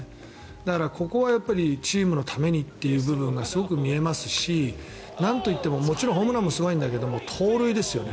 だから、ここはチームのためにという部分がすごく見えますしなんといってももちろんホームランもすごいんだけど盗塁ですよね。